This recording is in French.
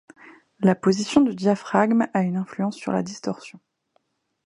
La position du diaphragme a une influence sur la distorsion.